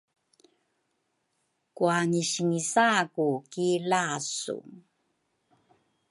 kuangisinisaku ki lasu.